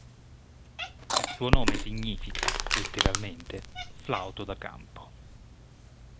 Il suo nome significa, letteralmente, "flauto da campo".